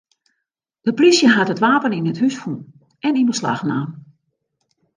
De plysje hat it wapen yn it hús fûn en yn beslach naam.